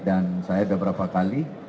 dan saya beberapa kali